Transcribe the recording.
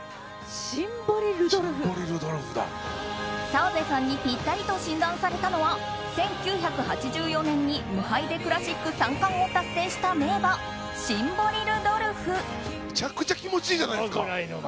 澤部さんにぴったりと診断されたのは１９８４年に無敗でクラシック３冠を達成した名馬シンボリルドルフ。